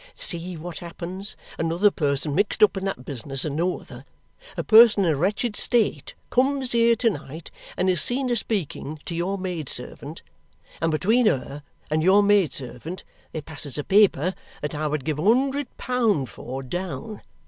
See what happens. Another person mixed up in that business and no other, a person in a wretched state, comes here to night and is seen a speaking to your maid servant; and between her and your maid servant there passes a paper that I would give a hundred pound for, down.